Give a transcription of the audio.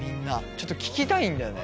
ちょっと聞きたいんだよね。